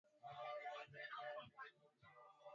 tumia yai moja kubwa